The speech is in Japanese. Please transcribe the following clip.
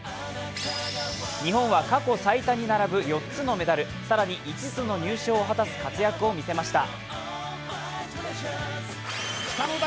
日本は過去最多に並ぶ４つのメダル更に５つの入賞を果たす活躍を見せました。